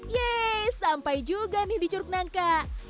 yeay sampai juga nih di curug nangka